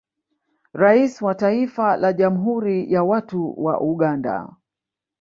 Rais wa Taifa la jamhuri ya watu wa Uganda